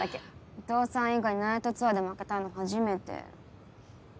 お父さん以外にナイトツアーで負けたの初めて。